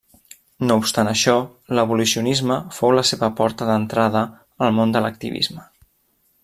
No obstant això, l'abolicionisme fou la seva porta d'entrada al món de l'activisme.